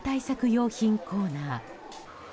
用品コーナー。